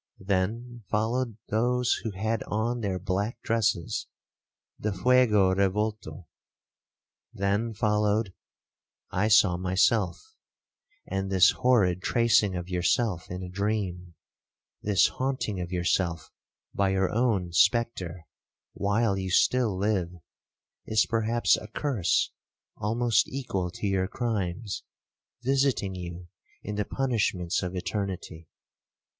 Then followed those who had on their black dresses the fuego revolto.1 Then followed—I saw myself; and this horrid tracing of yourself in a dream,—this haunting of yourself by your own spectre, while you still live, is perhaps a curse almost equal to your crimes visiting you in the punishments of eternity.